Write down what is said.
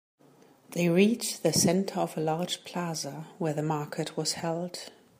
They reached the center of a large plaza where the market was held.